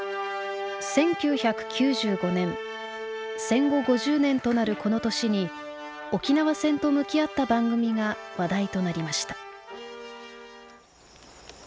戦後５０年となるこの年に沖縄戦と向き合った番組が話題となりました。